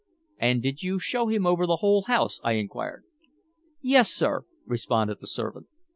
"And did you show him over the whole house?" I inquired. "Yes, sir," responded the servant.